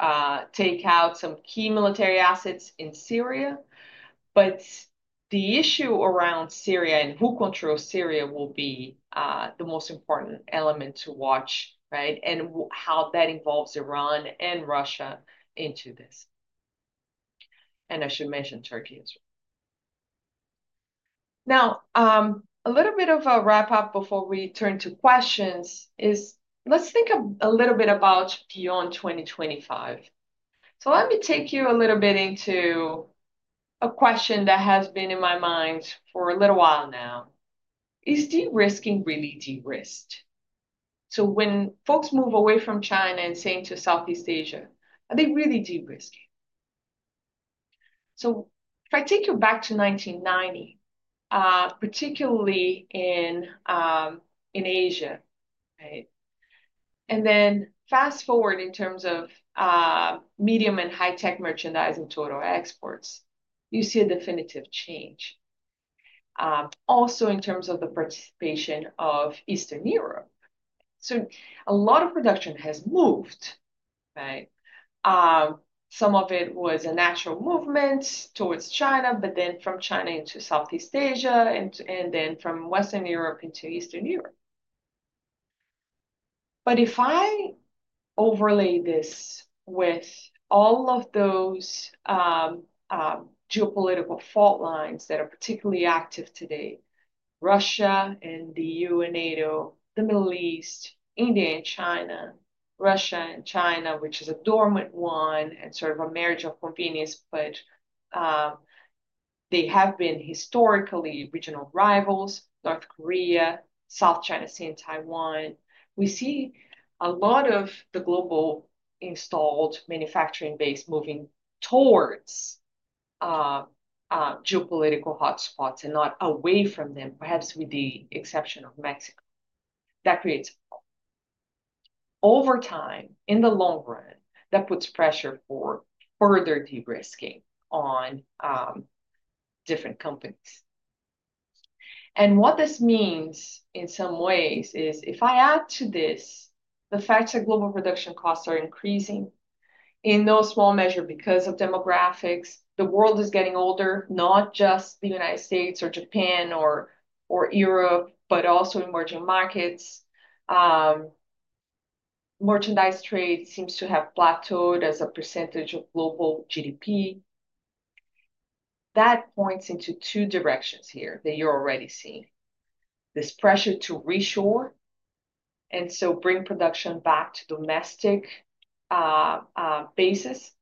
take out some key military assets in Syria. But the issue around Syria and who controls Syria will be the most important element to watch, right? And how that involves Iran and Russia into this. And I should mention Turkey as well. Now, a little bit of a wrap-up before we turn to questions is, let's think a little bit about beyond 2025. Let me take you a little bit into a question that has been in my mind for a little while now. Is derisking really derisked? When folks move away from China and saying to Southeast Asia, are they really derisking? If I take you back to 1990, particularly in Asia, right? Then fast forward in terms of medium and high-tech merchandise and total exports, you see a definitive change. Also in terms of the participation of Eastern Europe. A lot of production has moved, right? Some of it was a natural movement towards China, but then from China into Southeast Asia and then from Western Europe into Eastern Europe. But if I overlay this with all of those geopolitical fault lines that are particularly active today, Russia and the EU and NATO, the Middle East, India and China, Russia and China, which is a dormant one and sort of a marriage of convenience, but they have been historically regional rivals, North Korea, South China Sea and Taiwan. We see a lot of the global installed manufacturing base moving towards geopolitical hotspots and not away from them, perhaps with the exception of Mexico. That creates a fault. Over time, in the long run, that puts pressure for further de-risking on different companies. And what this means in some ways is if I add to this the fact that global production costs are increasing in no small measure because of demographics, the world is getting older, not just the United States or Japan or Europe, but also emerging markets. Merchandise trade seems to have plateaued as a percentage of global GDP. That points into two directions here that you're already seeing. This pressure to reshore and so bring production back to domestic bases,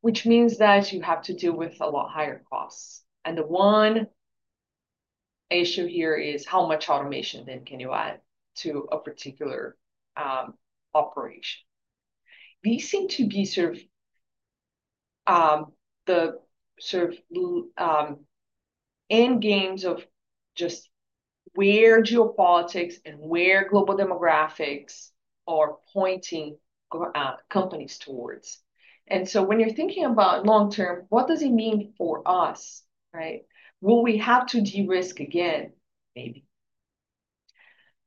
which means that you have to deal with a lot higher costs, and the one issue here is how much automation then can you add to a particular operation? These seem to be sort of the sort of end games of just where geopolitics and where global demographics are pointing companies towards, and so when you're thinking about long term, what does it mean for us, right? Will we have to derisk again? Maybe.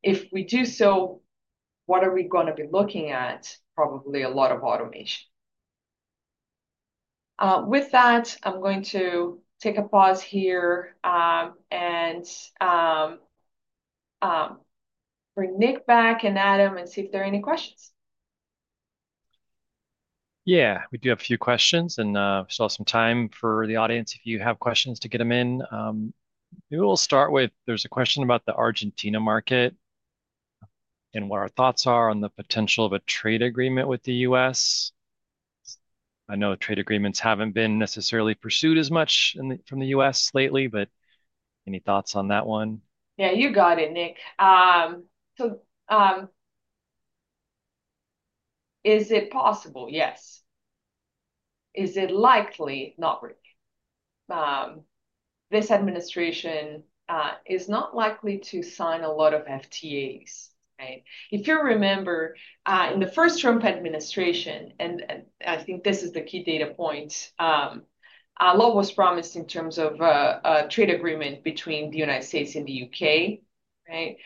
If we do so, what are we going to be looking at? Probably a lot of automation. With that, I'm going to take a pause here and bring Nick back and Adam and see if there are any questions. Yeah, we do have a few questions, and we still have some time for the audience if you have questions to get them in. Maybe we'll start with, there's a question about the Argentina market and what our thoughts are on the potential of a trade agreement with the U.S. I know trade agreements haven't been necessarily pursued as much from the U.S. lately, but any thoughts on that one? Yeah, you got it, Nick. So is it possible? Yes. Is it likely? Not really. This administration is not likely to sign a lot of FTAs, right? If you remember, in the first Trump administration, and I think this is the key data point, a lot was promised in terms of a trade agreement between the United States and the U.K., right?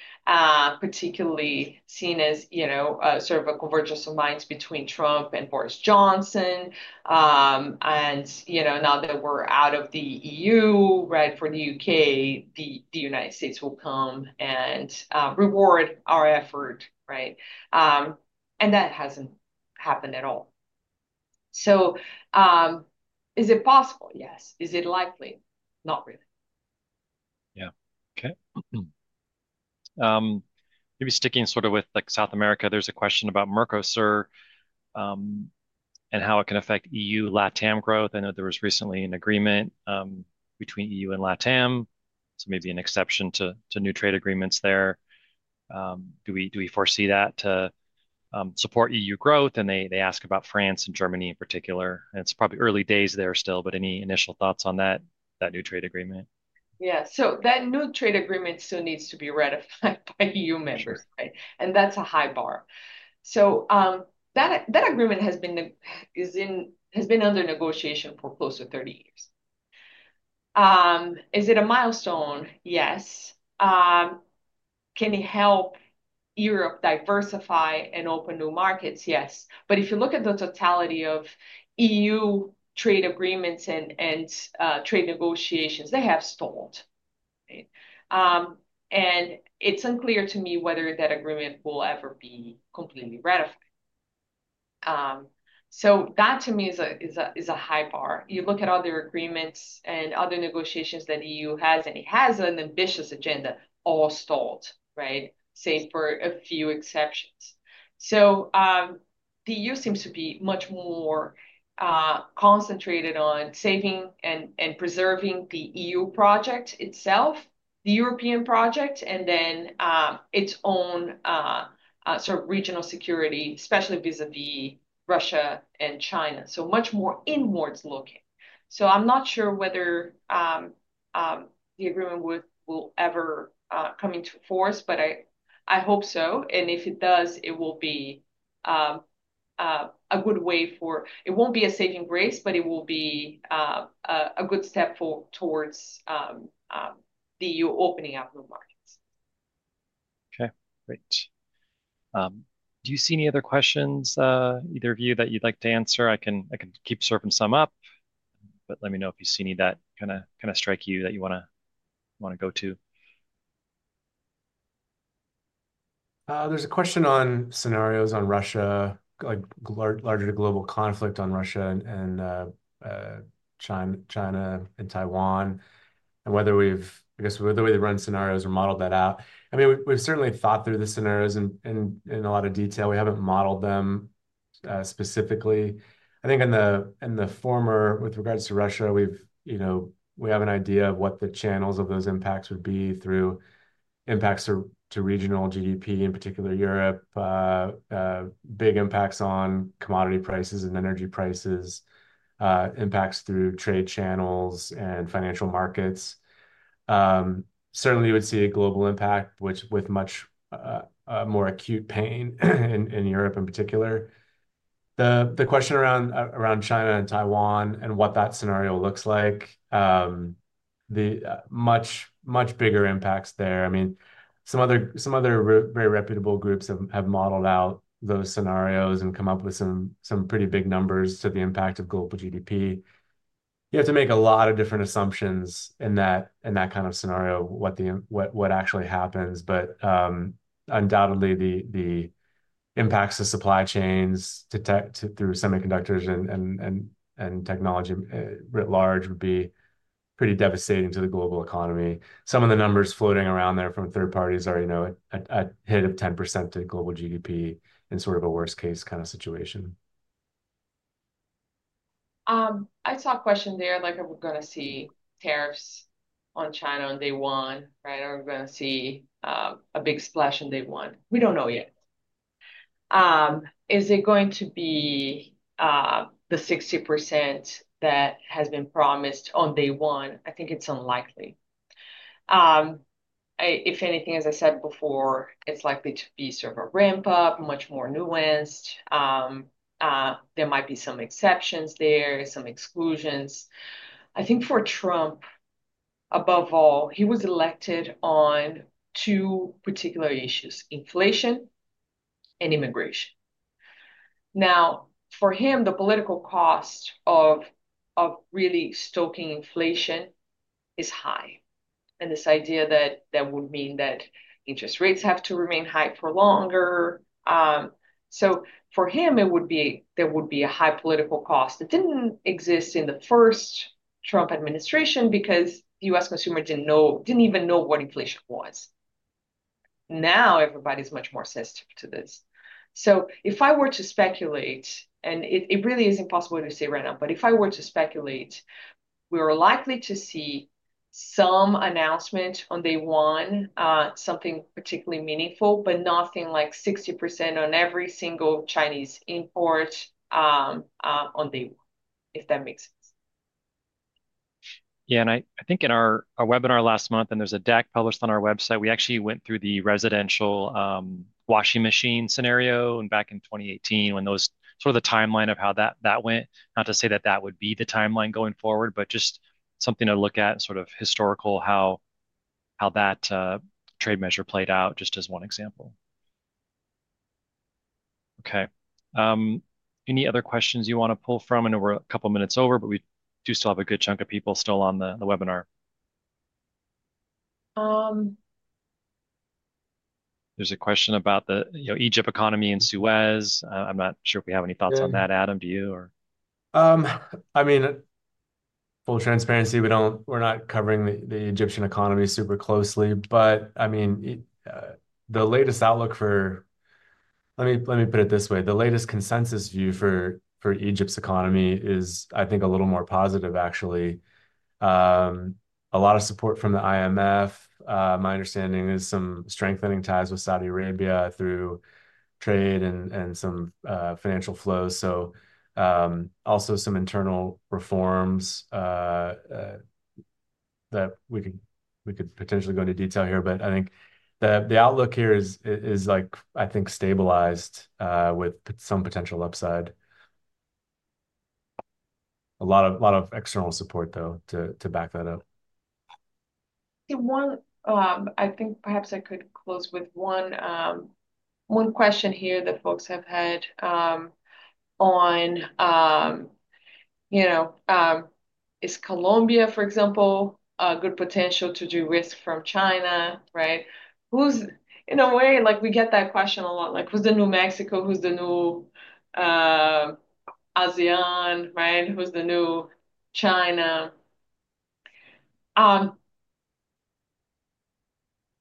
Particularly seen as sort of a convergence of minds between Trump and Boris Johnson. And now that we're out of the EU, right, for the U.K., the United States will come and reward our effort, right? And that hasn't happened at all. So is it possible? Yes. Is it likely? Not really. Yeah. Okay. Maybe sticking sort of with South America, there's a question about Mercosur and how it can affect EU-LATAM growth. I know there was recently an agreement between EU and LATAM, so maybe an exception to new trade agreements there. Do we foresee that to support EU growth? And they ask about France and Germany in particular. And it's probably early days there still, but any initial thoughts on that new trade agreement? Yeah. So that new trade agreement soon needs to be ratified by EU members, right? And that's a high bar. So that agreement has been under negotiation for close to 30 years. Is it a milestone? Yes. Can it help Europe diversify and open new markets? Yes. But if you look at the totality of EU trade agreements and trade negotiations, they have stalled, right? And it's unclear to me whether that agreement will ever be completely ratified. So that to me is a high bar. You look at other agreements and other negotiations that the EU has, and it has an ambitious agenda, all stalled, right? Save for a few exceptions. So the EU seems to be much more concentrated on saving and preserving the EU project itself, the European project, and then its own sort of regional security, especially vis-à-vis Russia and China. So much more inwards looking. I'm not sure whether the agreement will ever come into force, but I hope so. If it does, it will be a good way for it won't be a saving grace, but it will be a good step towards the EU opening up new markets. Okay. Great. Do you see any other questions, either of you, that you'd like to answer? I can keep surfing some up, but let me know if you see any that kind of strike you that you want to go to. There's a question on scenarios on Russia, like larger global conflict on Russia and China and Taiwan, and whether we've, I guess, the way they run scenarios or modeled that out. I mean, we've certainly thought through the scenarios in a lot of detail. We haven't modeled them specifically. I think in the former, with regards to Russia, we have an idea of what the channels of those impacts would be through impacts to regional GDP, in particular Europe, big impacts on commodity prices and energy prices, impacts through trade channels and financial markets. Certainly, we would see a global impact with much more acute pain in Europe in particular. The question around China and Taiwan and what that scenario looks like, much bigger impacts there. I mean, some other very reputable groups have modeled out those scenarios and come up with some pretty big numbers to the impact of global GDP. You have to make a lot of different assumptions in that kind of scenario, what actually happens. But undoubtedly, the impacts to supply chains through semiconductors and technology writ large would be pretty devastating to the global economy. Some of the numbers floating around there from third parties are a hit of 10% to global GDP in sort of a worst-case kind of situation. I saw a question there, like are we going to see tariffs on China on day one, right? Are we going to see a big splash on day one? We don't know yet. Is it going to be the 60% that has been promised on day one? I think it's unlikely. If anything, as I said before, it's likely to be sort of a ramp-up, much more nuanced. There might be some exceptions there, some exclusions. I think for Trump, above all, he was elected on two particular issues, inflation and immigration. Now, for him, the political cost of really stoking inflation is high, and this idea that that would mean that interest rates have to remain high for longer, so for him, there would be a high political cost. It didn't exist in the first Trump administration because the U.S. consumer didn't even know what inflation was. Now everybody's much more sensitive to this. So if I were to speculate, and it really is impossible to say right now, but if I were to speculate, we are likely to see some announcement on day one, something particularly meaningful, but nothing like 60% on every single Chinese import on day one, if that makes sense. Yeah. And I think in our webinar last month, and there's a deck published on our website, we actually went through the residential washing machine scenario back in 2018 when those sort of the timeline of how that went. Not to say that that would be the timeline going forward, but just something to look at sort of historical how that trade measure played out just as one example. Okay. Any other questions you want to pull from? I know we're a couple of minutes over, but we do still have a good chunk of people still on the webinar. There's a question about the Egyptian economy and Suez. I'm not sure if we have any thoughts on that, Adam, do you? I mean, full transparency, we're not covering the Egyptian economy super closely, but I mean, the latest outlook for, let me put it this way, the latest consensus view for Egypt's economy is, I think, a little more positive, actually. A lot of support from the IMF. My understanding is some strengthening ties with Saudi Arabia through trade and some financial flows, so also some internal reforms that we could potentially go into detail here, but I think the outlook here is, I think, stabilized with some potential upside. A lot of external support, though, to back that up. I think perhaps I could close with one question here that folks have had on, is Colombia, for example, a good potential to de-risk from China, right? In a way, we get that question a lot. Who's the new Mexico? Who's the new ASEAN, right? Who's the new China?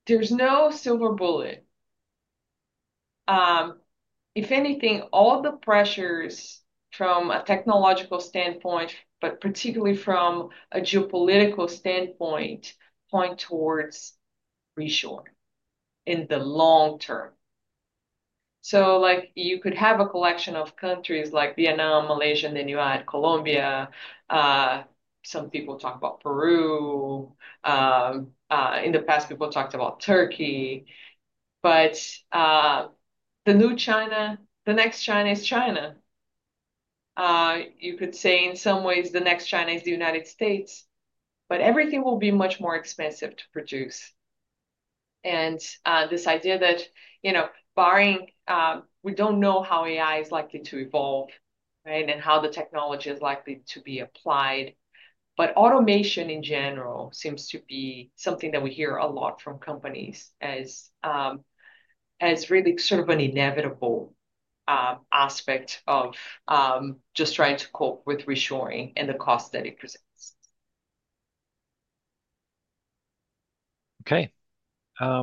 There's no silver bullet. If anything, all the pressures from a technological standpoint, but particularly from a geopolitical standpoint, point towards reshoring in the long term. So you could have a collection of countries like Vietnam, Malaysia, and then you add Colombia. Some people talk about Peru. In the past, people talked about Turkey. But the new China, the next China is China. You could say in some ways, the next China is the United States, but everything will be much more expensive to produce. And this idea that we don't know how AI is likely to evolve, right, and how the technology is likely to be applied. But automation in general seems to be something that we hear a lot from companies as really sort of an inevitable aspect of just trying to cope with reshoring and the cost that it presents. Okay. Why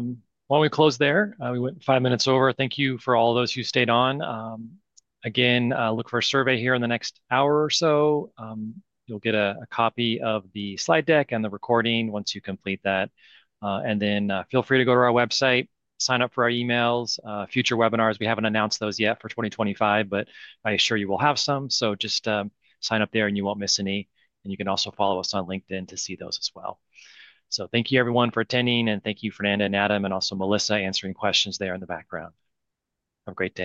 don't we close there? We went five minutes over. Thank you for all those who stayed on. Again, look for a survey here in the next hour or so. You'll get a copy of the slide deck and the recording once you complete that. And then feel free to go to our website, sign up for our emails, future webinars. We haven't announced those yet for 2025, but I assure you will have some. So just sign up there and you won't miss any. And you can also follow us on LinkedIn to see those as well. So thank you, everyone, for attending. And thank you, Fernanda and Adam, and also Melissa answering questions there in the background. Have a great day.